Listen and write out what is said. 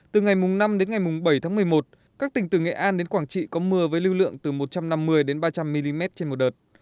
từ ngày năm đến ngày bảy tháng một mươi một các tỉnh từ nghệ an đến quảng trị có mưa với lưu lượng từ một trăm năm mươi đến ba trăm linh mm trên một đợt